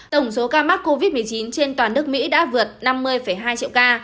tổng số ca mắc covid một mươi chín trên toàn nước mỹ đã vượt năm mươi hai triệu ca